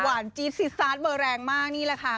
จี๊ดซีซาสเบอร์แรงมากนี่แหละค่ะ